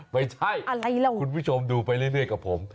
ไม่ใช่คุณผู้ชมดูไปเรื่อยกับผม